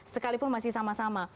sekalipun masih sama sama